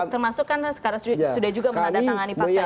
termasuk kan karena sudah juga mengadakan tangani partai aktivitas itu